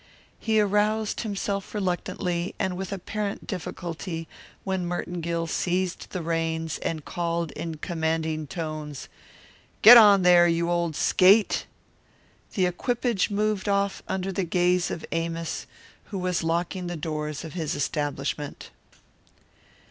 He aroused himself reluctantly and with apparent difficulty when Merton Gill seized the reins and called in commanding tones, "Get on there, you old skate!" The equipage moved off under the gaze of Amos, who was locking the doors of his establishment.